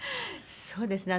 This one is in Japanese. そうですね。